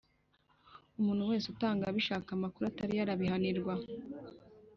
Umuntu wese utanga abishaka amakuru atariyo, arabihanirwa